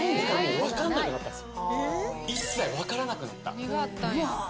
一切分からなくなった。